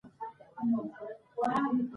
نو دغه صفت لرونکی خلک تاوانيان او تباه شوي دي